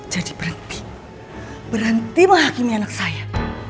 jadi berhenti berhenti menghakimi anak saya